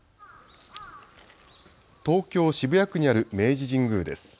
東京・渋谷区にある明治神宮です。